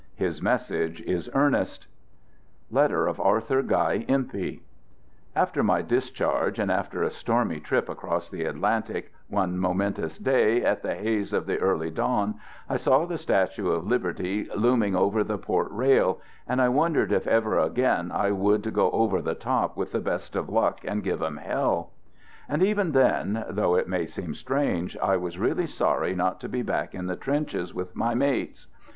His message is earnest: (Letter of Arthur Guy Empey) After my discharge, and after a stormy trip across the Atlantic, one momentous day, in the haze of the early dawn I saw the Statue of Liberty loom ing over the port rail, and I wondered if ever again I would go "over the top with the best of luck and give them hell." And even then, though it may seem strange, I was really sorry not to be back in the trenches with my mates.